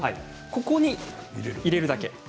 ここに入れるだけ。